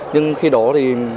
nhưng khi đó thì